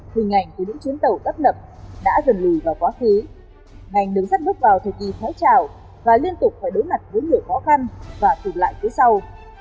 khi ngành của những chuyến tàu đắp nập đã dần lùi vào quá khí ngành đường sắt bước vào thời kỳ thái trào và liên tục phải đối mặt với nhiều khó khăn và tùm lại phía sau